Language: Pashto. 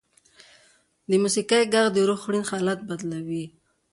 د موسیقۍ ږغ د روح خوړین حالت بدلوي.